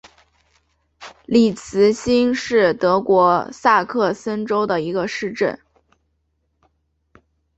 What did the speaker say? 里茨兴是德国萨克森州的一个市镇。